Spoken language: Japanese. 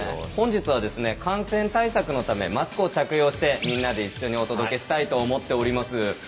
本日は感染対策のためマスクを着用してみんなで一緒にお届けしたいと思っております。